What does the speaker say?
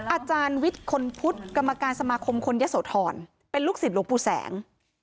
อาจารย์วิทย์คนพุทธกรรมการสมาคมคนยะโสธรเป็นลูกศิษย์หลวงปู่แสง